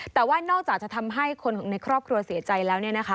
แต่ว่านอกจากจะทำให้คนของในครอบครัวเสียใจแล้ว